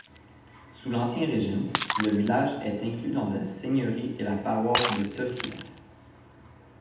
Sous l'Ancien-Régime, le village est inclus dans la seigneurie et la paroisse de Tossiat.